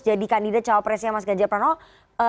jadi kandidat cawapresnya mas ganjar pranowo